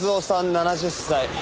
７０歳。